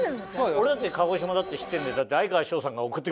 俺だって鹿児島だって知ってんだよだって。